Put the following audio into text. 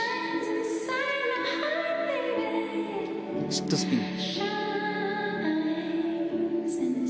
シットスピン。